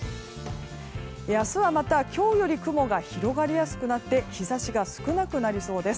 明日はまた今日より雲が広がりやすくなって日差しが少なくなりそうです。